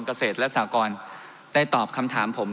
เกษตรและสากรได้ตอบคำถามผม